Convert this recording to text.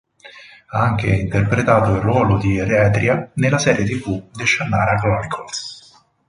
Ha anche interpretato il ruolo di Eretria nella serie tv "The Shannara Chronicles".